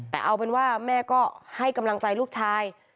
แต่เอาเป็นว่าแม่ก็ให้กำลังใจลูกชาย